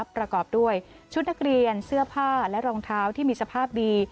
ประกอบด้วยชุดนักเรียนเสื้อผ้าและรองเท้าที่มีสภาพดี